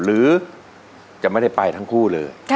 หรือจะไม่ได้ไปทั้งคู่เลย